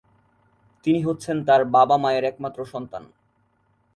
তিনি হচ্ছেন তার বাবা-মায়ের একমাত্র সন্তান।